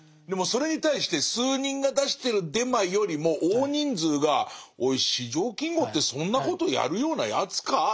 でもそれに対して数人が出してるデマよりも大人数が「おい四条金吾ってそんなことやるようなやつか？」